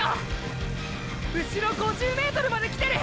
うしろ５０ｍまで来てる！！